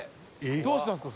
どうしたんですか？